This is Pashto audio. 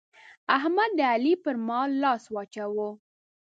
احمد د علي پر مال لاس واچاوو.